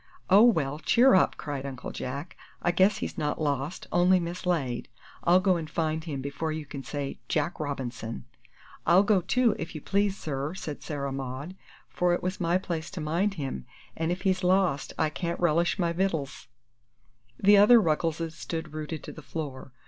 "Oh, well, cheer up!" cried Uncle Jack. "I guess he's not lost only mislaid. I'll go and find him before you can say Jack Robinson!" "I'll go, too, if you please, sir," said Sarah Maud, "for it was my place to mind him, an' if he's lost I can't relish my vittles!" The other Ruggleses stood rooted to the floor.